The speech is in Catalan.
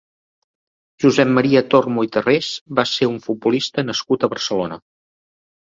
Josep Maria Tormo i Tarrés va ser un futbolista nascut a Barcelona.